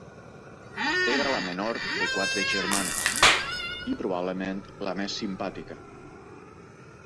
Era la menor de quatre germanes, i probablement la més simpàtica.